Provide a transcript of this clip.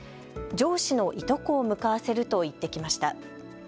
上司のいとこを向かわせると言ってきました。